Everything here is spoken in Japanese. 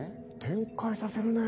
展開させるね。